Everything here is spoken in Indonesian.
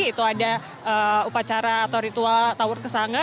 itu ada upacara atau ritual tawur kesanga